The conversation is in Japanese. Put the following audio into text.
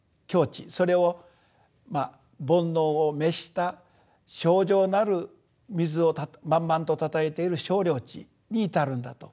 それを煩悩を滅した清浄なる水を満々とたたえている清涼池に至るんだと。